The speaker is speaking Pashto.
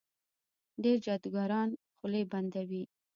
ډېر جادوګران خولې بندوي.